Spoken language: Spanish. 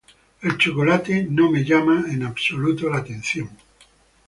El chocolate no me llama en absoluto.